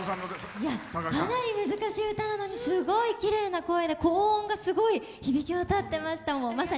かなり難しい歌なのにすごいきれいな声で高音がすごい響き渡ってました。